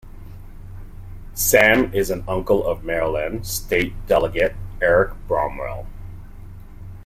Sam is an uncle of Maryland State Delegate Eric Bromwell.